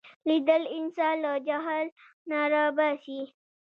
لیدل انسان له جهل نه را باسي